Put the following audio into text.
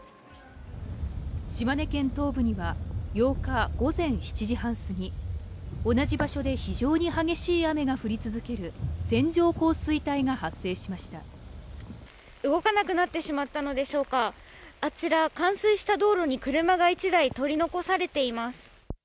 島根県東部には、８日午前７時半過ぎ、同じ場所で非常に激しい雨が降り続ける線状動かなくなってしまったのでしょうか、あちら、冠水した道路に車が１台取り残されています。